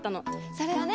それをね。